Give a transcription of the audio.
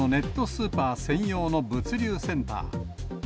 スーパー専用の物流センター。